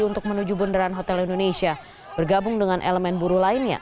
untuk menuju bundaran hotel indonesia bergabung dengan elemen buruh lainnya